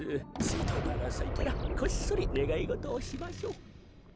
スイトウカがさいたらこっそりねがいごとをしましょう。